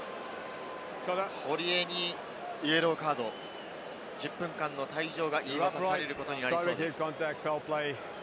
堀江にイエローカード、１０分間の退場が言い渡されることになりそうです。